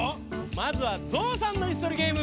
まずはゾウさんのいすとりゲーム。